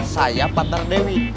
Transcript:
saya partner dewi